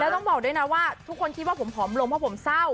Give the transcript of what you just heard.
ต้องบอกด้วยนะว่าทุกคนคิดว่าผมผอมลงเพราะผมเศร้า